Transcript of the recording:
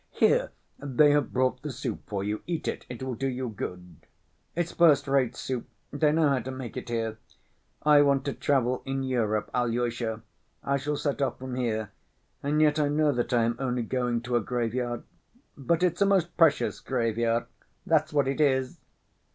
Here they have brought the soup for you, eat it, it will do you good. It's first‐rate soup, they know how to make it here. I want to travel in Europe, Alyosha, I shall set off from here. And yet I know that I am only going to a graveyard, but it's a most precious graveyard, that's what it is!